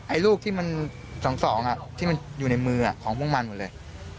ลูกที่มัน๒๒ที่มันอยู่ในมือของพวกมันหมดเลย